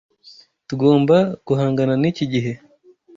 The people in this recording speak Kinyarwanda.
Tugomba guhangana niki gihe.